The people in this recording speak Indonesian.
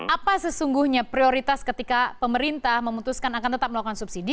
apa sesungguhnya prioritas ketika pemerintah memutuskan akan tetap melakukan subsidi